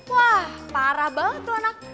wah parah banget tuh anak